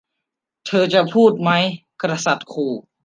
เธอจะพูดไหม กษัตริย์ขู่